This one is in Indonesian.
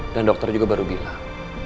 dan dokter juga baru bilang